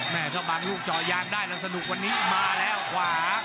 ถ้าบางลูกจอยางได้แล้วสนุกวันนี้มาแล้วขวา